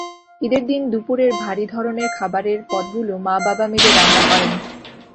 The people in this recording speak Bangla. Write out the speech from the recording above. ঈদের দিন দুপুরের ভারী ধরনের খাবারের পদগুলো মা-বাবা মিলে রান্না করেন।